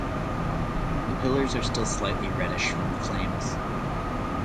The pillars are still slightly reddish from the flames.